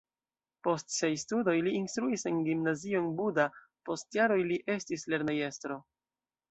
Post siaj studoj li instruis en gimnazio en Buda, post jaroj li estis lernejestro.